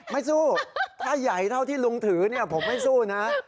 ไม่สู้ถ้าใหญ่เท่าที่ลุงถือผมไม่สู้นะ